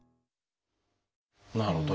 なるほど。